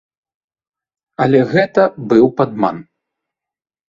Але гэта быў падман.